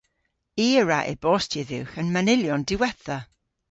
I a wra e-bostya dhywgh an manylyon diwettha.